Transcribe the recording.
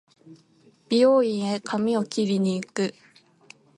美容院へ髪を切りに行く